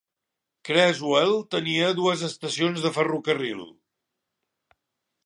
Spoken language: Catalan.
Creswell tenia dues estacions de ferrocarril.